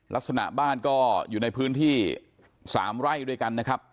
ลักษณะบ้านก็อยู่ในพื้นที่๓ไร่ด้วยกันนะครับ